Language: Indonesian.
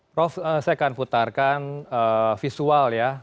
prof saya akan putarkan visual ya